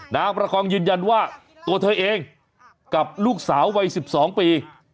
ประคองยืนยันว่าตัวเธอเองกับลูกสาววัย๑๒ปี